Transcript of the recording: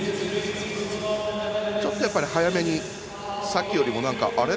ちょっと早めにさっきよりも。あれ？